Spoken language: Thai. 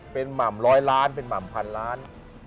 เป็นหม่ำร้อยล้านเป็นหม่ำพันล้าน